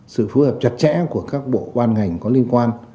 sự phù hợp chặt chẽ của các bộ quan hành có liên quan